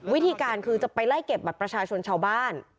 วิธีการคือจะไปไล่เก็บบัตรประชาชนชาวบ้าน